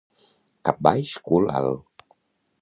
Cap baix, cul alt.